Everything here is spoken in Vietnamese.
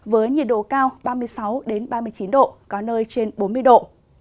với nhiệt độ cao ba mươi sáu ba mươi chín độ có nơi trên bốn mươi độ